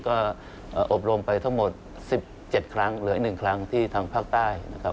ก็อบรมไปทั้งหมด๑๗ครั้งเหลืออีก๑ครั้งที่ทางภาคใต้นะครับ